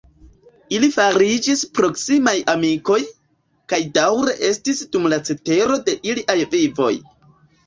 Ili fariĝis proksimaj amikoj, kaj daŭre estis dum la cetero de iliaj vivoj.